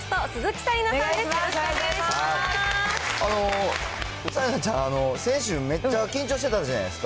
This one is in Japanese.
紗理奈さん、先週、めっちゃ緊張してたじゃないですか。